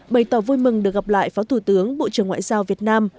bày tỏ vui mừng được gặp lại phó thủ tướng bộ trưởng ngoại giao việt nam